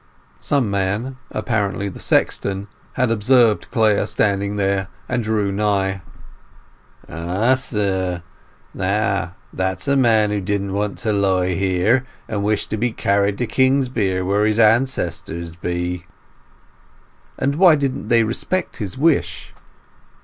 Some man, apparently the sexton, had observed Clare standing there, and drew nigh. "Ah, sir, now that's a man who didn't want to lie here, but wished to be carried to Kingsbere, where his ancestors be." "And why didn't they respect his wish?"